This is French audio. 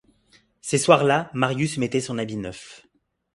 Ces soirs-là Marius mettait son habit neuf.